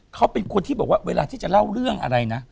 เขาเป็นคนที่บอกว่าเวลาที่จะเล่าเรื่องอะไรนะ